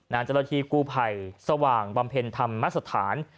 นางเจ้ารถที่กู้ไผ่สว่างบำเพ็ญธรรมมัศฐาน